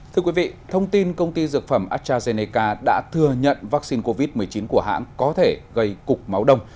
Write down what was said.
thưa quý vị thông tin công ty dược phẩm astrazeneca đã thừa nhận vaccine covid một mươi chín của hãng có thể gây cục máu đông